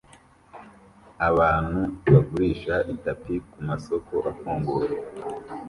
Abantu bagurisha itapi kumasoko afunguye